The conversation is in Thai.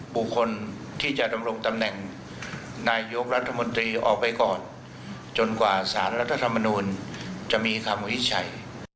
เป็นคนที่จะดำลงตำแหน่งนายโยครัฐมนตรีออกไปก่อนจนกว่าสารลัฐมนูญจะมีค่ามพิธีชัย